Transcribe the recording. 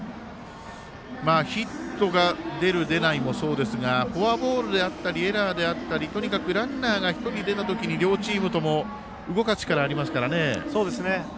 ですが、杉浦さん、もうゲームもだいぶ詰まってきましたのでヒットが出る出ないもそうですがフォアボールであったりエラーであったりとにかくランナーが１人出た時に両チームとも動かす力ありますからね。